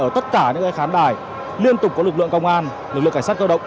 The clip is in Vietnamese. ở tất cả những khán đài liên tục có lực lượng công an lực lượng cảnh sát cơ động